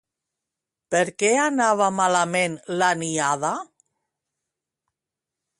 Per què anava malament la niada?